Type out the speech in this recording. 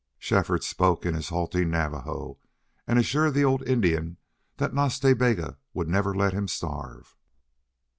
Shefford spoke in his halting Navajo and assured the old Indian that Nas Ta Bega would never let him starve.